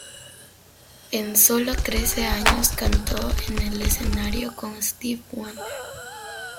En sólo trece años, cantó en el escenario con Stevie Wonder.